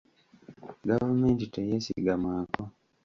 Gavumenti teyeesigamwako.